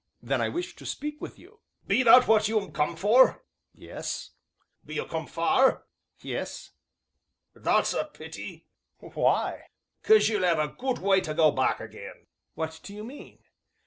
"Then I wish to speak with you." "Be that what you'm come for?" "Yes." "Be you come far?" "Yes." "That's a pity." "Why?" "'Cause you'll 'ave a good way to go back again." "What do you mean?"